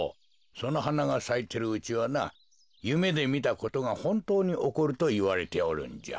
そのはながさいてるうちはなゆめでみたことがほんとうにおこるといわれておるんじゃ。